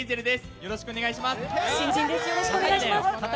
よろしくお願いします。